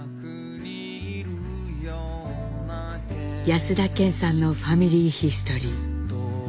安田顕さんの「ファミリーヒストリー」。